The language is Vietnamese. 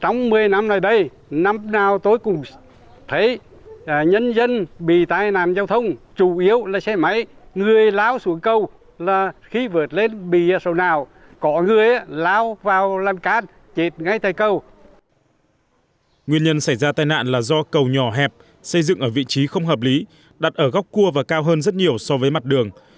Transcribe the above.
nguyên nhân xảy ra tai nạn là do cầu nhỏ hẹp xây dựng ở vị trí không hợp lý đặt ở góc cua và cao hơn rất nhiều so với mặt đường